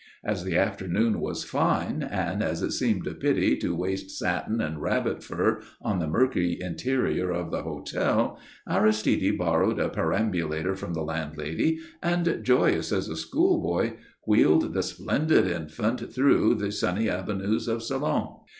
As the afternoon was fine, and as it seemed a pity to waste satin and rabbit fur on the murky interior of the hotel, Aristide borrowed a perambulator from the landlady, and, joyous as a schoolboy, wheeled the splendid infant through the sunny avenues of Salon.